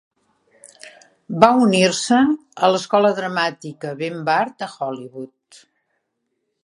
Va unir-se a l'escola dramàtica Ben Bard a Hollywood.